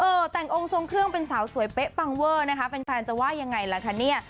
แต่งองค์ทรงเครื่องเป็นสาวสวยเป๊ะปังเวอร์นะคะแฟนจะว่ายังไงล่ะคะเนี่ย